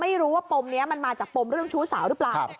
ไม่รู้ว่าปมนี้มันมาจากปมเรื่องชู้สาวหรือเปล่า